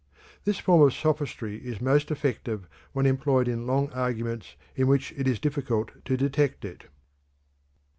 This form of sophistry is most effective when employed in long arguments in which it is difficult to detect it.